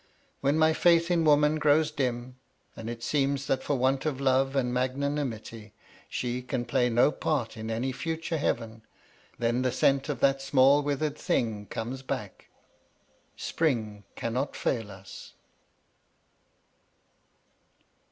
When my faith in woman grows dim, and it seems that for want of love and magnanimity she can play no part in any future heaven; then the scent of that small withered thing comes back: spring cannot fail us.